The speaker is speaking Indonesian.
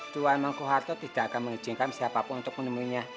tuan mangku harto tidak akan mengizinkan siapapun untuk menemuinya